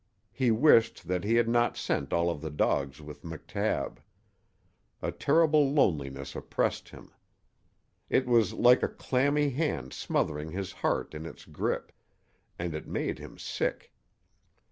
He wished that he had not sent all of the dogs with McTabb. A terrible loneliness oppressed him. It was like a clammy hand smothering his heart in its grip, and it made him sick.